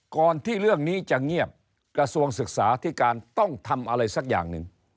ก่อนที่เรื่องนี้จะเงียบกระทรวงศึกษาที่การต้องทำอะไรสักอย่างหนึ่ง